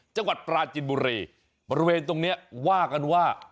จังหวัดปราจินบุรีบริเวณตรงนี้ว่ากันว่า